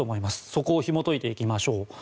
そこをひもといていきましょう。